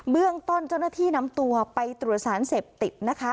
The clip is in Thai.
เรื่องต้นเจ้าหน้าที่นำตัวไปตรวจสารเสพติดนะคะ